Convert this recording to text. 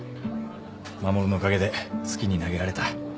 護のおかげで好きに投げられた。